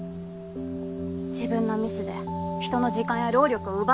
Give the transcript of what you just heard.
自分のミスで人の時間や労力を奪うのは。